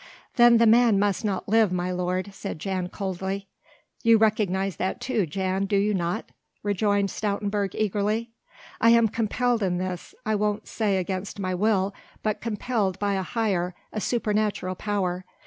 "Then the man must not live, my lord," said Jan coldly. "You recognize that too, Jan, do you not?" rejoined Stoutenburg eagerly. "I am compelled in this I won't say against my will, but compelled by a higher, a supernatural power.